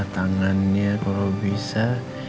tangannya kalau bisa